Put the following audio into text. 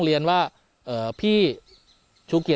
สวัสดีทุกคน